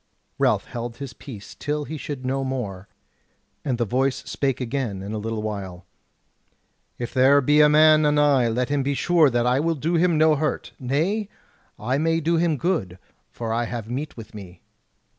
Ralph held his peace till he should know more; and the voice spake again in a little while: "If there be a man anigh let him be sure that I will do him no hurt; nay, I may do him good, for I have meat with me."